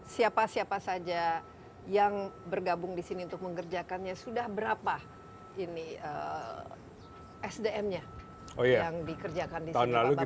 siapa siapa saja yang bergabung disini untuk mengerjakannya sudah berapa ini sdm nya yang dikerjakan disini